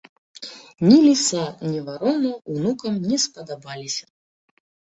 Ні ліса, ні варона ўнукам не спадабаліся.